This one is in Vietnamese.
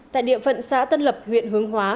tại địa phận xã tân lập huyện hướng hóa